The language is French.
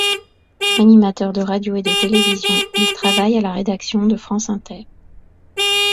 Animateur de radio et de télévision, il travaille à la rédaction de France Inter.